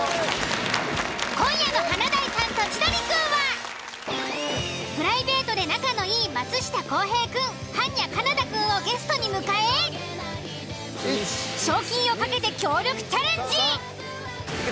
今夜の「華大さんと千鳥くん」はプライベートで仲のいい松下洸平くんはんにゃ．金田くんをゲストに迎え賞金を懸けて協力チャレンジ。